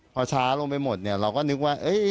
พอช้าลงไปหมดเราก็นึกว่า